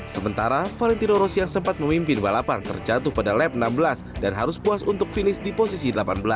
sementara valentino ros yang sempat memimpin balapan terjatuh pada lab enam belas dan harus puas untuk finish di posisi delapan belas